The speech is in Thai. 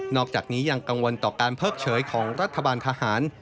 อกจากนี้ยังกังวลต่อการเพิกเฉยของรัฐบาลทหาร